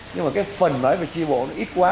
nhưng mà cái phần nói về tri bộ nó ít quá